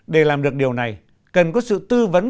để làm được điều này cần có sự tư vấn